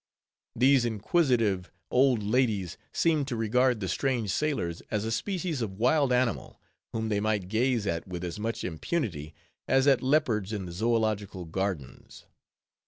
These inquisitive old ladies seemed to regard the strange sailors as a species of wild animal, whom they might gaze at with as much impunity, as at leopards in the Zoological Gardens.